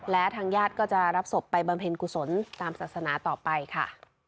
และทางญาติก็จะรับศพไปบำเพ็ญกุศลตามศาสนาต่อไปค่ะ